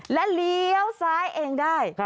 และเลี้ยวซ้ายเองได้